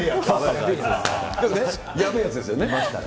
なんかね、やべえやつですよね。